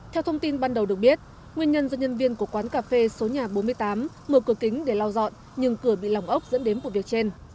theo thông tin ban đầu được biết nguyên nhân do nhân viên của quán cà phê số nhà bốn mươi tám mở cửa kính để lau dọn nhưng cửa bị lỏng ốc dẫn đến vụ việc trên